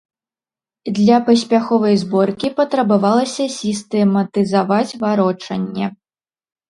Для паспяховай зборкі патрабавалася сістэматызаваць варочанне.